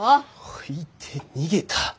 置いて逃げた？